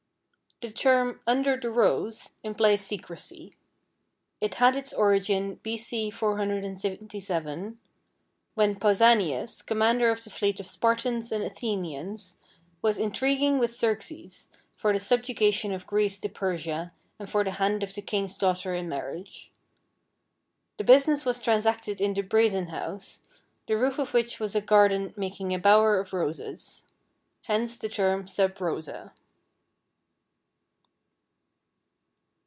= The term "under the rose" implies secrecy. It had its origin B. C. 477, when Pausanias, commander of the fleet of Spartans and Athenians, was intriguing with Xerxes for the subjugation of Greece to Persia and for the hand of the king's daughter in marriage. The business was transacted in the "Brazen House," the roof of which was a garden making a bower of roses. Hence the term Sub Rosa.